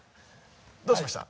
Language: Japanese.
どうしました？